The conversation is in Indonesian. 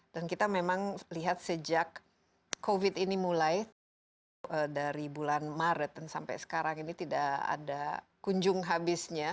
dan kita memang lihat sejak covid ini mulai dari bulan maret dan sampai sekarang ini tidak ada kunjung habisnya